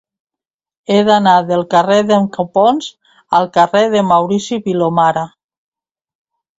He d'anar del carrer d'en Copons al carrer de Maurici Vilomara.